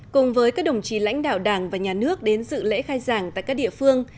cùng với các đồng chí lãnh đạo đảng và nhà nước đến dự lễ khai giảng tại các địa phương